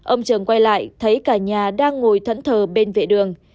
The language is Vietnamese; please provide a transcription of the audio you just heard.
ông trường quay lại thấy cả nhà đang ngồi thẫn thờ bên vệ đường